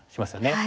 はい。